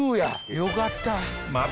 よかった。